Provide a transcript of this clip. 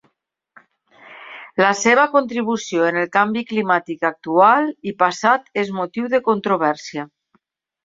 La seva contribució en el canvi climàtic actual i passat és motiu de controvèrsia.